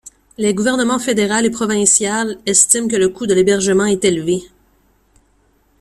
Les gouvernements fédéral et provincial estiment que le coût de l’hébergement est élevé.